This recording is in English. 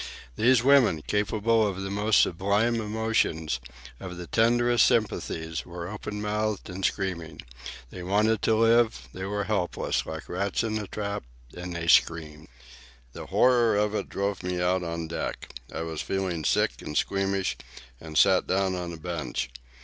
These women, capable of the most sublime emotions, of the tenderest sympathies, were open mouthed and screaming. They wanted to live, they were helpless, like rats in a trap, and they screamed. The horror of it drove me out on deck. I was feeling sick and squeamish, and sat down on a bench.